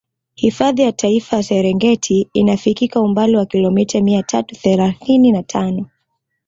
Hifadhi ya Taifa ya Serengeti inafikika umbali wa kilomita mia tatu thelasini na tano